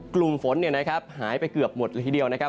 กลุ่มฝนหายไปเกือบหมดละทีเดียวนะครับ